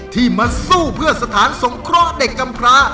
ที่มาสู้เพื่อสถานสงเคราะห์เด็กกำพระ